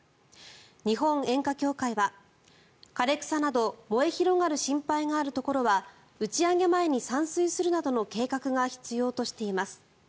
日本煙火協会は、枯れ草など燃え広がる心配があるところは打ち上げ前に散水するなどの計画が必要としています。